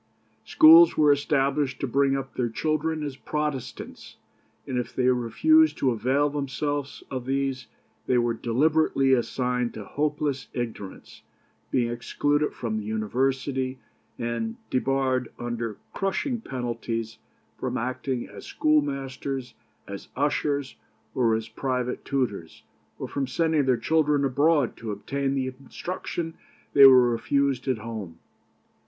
Schools were established to bring up their children as Protestants; and if they refused to avail themselves of these, they were deliberately assigned to hopeless ignorance, being excluded from the university, and debarred, under crushing penalties, from acting as schoolmasters, as ushers, or as private tutors, or from sending their children abroad to obtain the instruction they were refused at home.